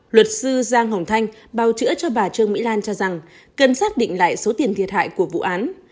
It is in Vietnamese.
luật sư giang hồng thanh bào chữa cho bà trương mỹ lan cho rằng cần xác định lại số tiền thiệt hại của vụ án